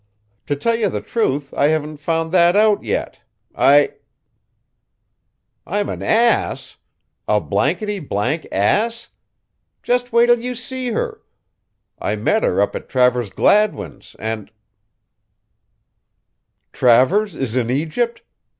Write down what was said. To tell you the truth I haven't found that out yet. I I'm an ass? a blankety, blank ass? Just wait till you see her! I met her up at Travers Gladwin's, and Travers is in Egypt!